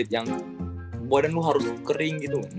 yang badan lu harus kering gitu